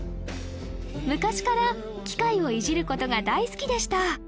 昔から機械をいじることが大好きでした